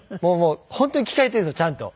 本当に着替えているんですよちゃんと。